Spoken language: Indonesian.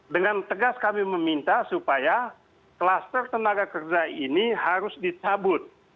dengan tegas kami meminta supaya klaster tenaga kerja ini harus dicabut